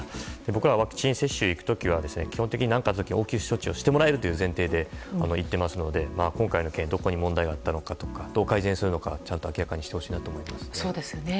僕らワクチン接種に行くときは何かあった時に応急処置をしてもらえると思って言っていますので今回の件、どこに問題があったかどう改善するのかちゃんと明らかにしてほしいなと思います。